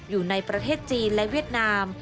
อยู่ในประเทศจีนและเวียดนาม